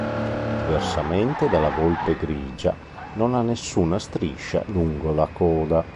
Diversamente dalla volpe grigia non ha nessuna striscia lungo la coda.